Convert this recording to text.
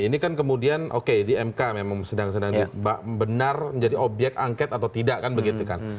ini kan kemudian oke di mk memang sedang sedang benar menjadi obyek angket atau tidak kan begitu kan